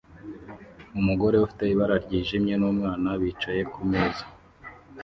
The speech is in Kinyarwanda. Umugore ufite ibara ryijimye n'umwana bicaye kumeza